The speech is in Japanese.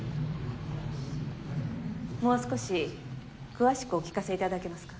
もう少し詳しくお聞かせ頂けますか。